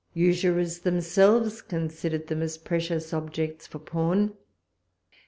Usurers themselves considered them as precious objects for pawn.